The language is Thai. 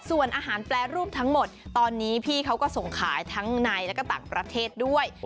ส่วนอาหารแปรรูปทั้งหมดตอนนี้พี่เขาก็ส่งขายทั้งในและก็ต่างประเทศด้วย